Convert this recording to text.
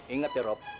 inget ya rob